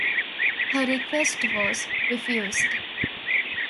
Her request was refused.